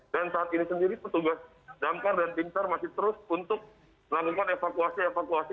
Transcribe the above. dan saat ini sendiri petugas damkar dan pintar masih terus untuk melakukan evakuasi evakuasi